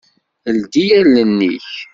Ldi allen-ik!